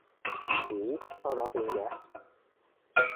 咦，收咗線嘅？